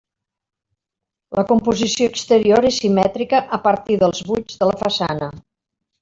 La composició exterior és simètrica a partir dels buits de la façana.